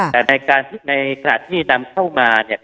แต่ในขณะนำเข้ามา